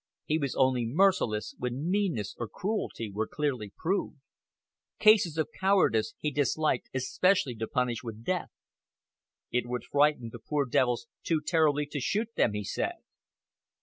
He was only merciless when meanness or cruelty were clearly proved. Cases of cowardice he disliked especially to punish with death. "It would frighten the poor devils too terribly to shoot them," he said.